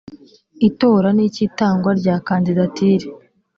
itora n icy itangwa rya kandidatire